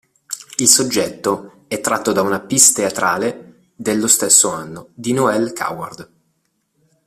Il soggetto è tratto da una pièce teatrale, dello stesso anno, di Noël Coward.